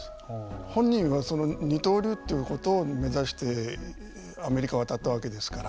本人は二刀流ということを目指してアメリカに渡ったわけですから。